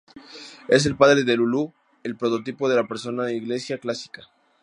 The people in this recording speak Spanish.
Es el padre de Lulú, el prototipo de la persona inglesa clásica.